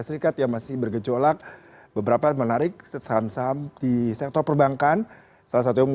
serikat yang masih bergejolak beberapa menarik saham saham di sektor perbankan salah satu yang